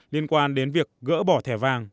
liên quan đến việc gỡ bỏ thẻ vàng